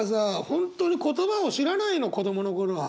本当に言葉を知らないの子供の頃は。